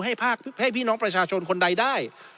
ให้พี่น้องประชาชนคนใดได้